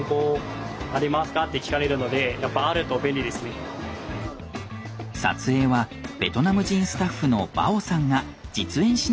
撮影はベトナム人スタッフのバオさんが実演しながら行います。